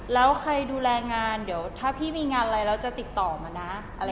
แล้วใครดูแลงานเดี๋ยวถ้าพี่มีงานอะไรแล้วจะติดต่อมานะ